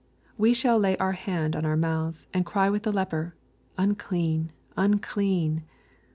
We shall lay our hand on our mouths, and cry with the leper, " Unclean, unclean."